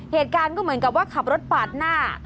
เหตุการณ์ก็เหมือนกับว่าขับรถปาดหน้า